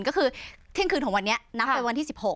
ก็คือเที่ยงคืนของวันนี้นับเป็นวันที่๑๖